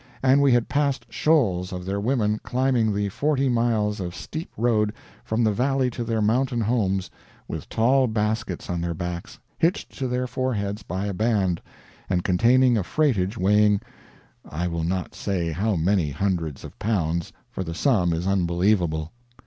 And we had passed shoals of their women climbing the forty miles of steep road from the valley to their mountain homes, with tall baskets on their backs hitched to their foreheads by a band, and containing a freightage weighing I will not say how many hundreds of pounds, for the sum is unbelievable.